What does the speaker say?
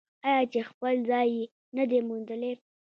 آیا چې خپل ځای یې نه دی موندلی؟